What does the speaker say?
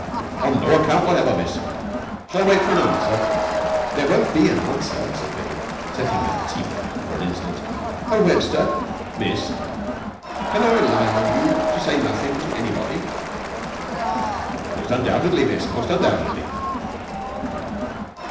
"On no account whatever, miss. Shall I wait for an answer?" "There won't be any answer," said Billie, setting her teeth for an instant. "Oh, Webster!" "Miss?" "I can rely on you to say nothing to anybody?" "Most undoubtedly, miss. Most undoubtedly!"